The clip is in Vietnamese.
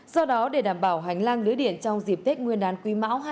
do đó để đảm bảo hành lang lưới điện trong dịp tết nguyên đán quý mão hai nghìn hai mươi